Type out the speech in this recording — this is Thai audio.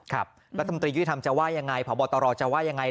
ครับก็ตำรียุทธรรมจะว่ายังไงผอบตรจะว่ายังไง